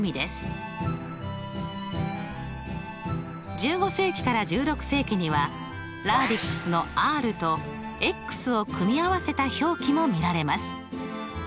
１５世紀から１６世紀にはＲａｄｉｘの「Ｒ」と「ｘ」を組み合わせた表記も見られます。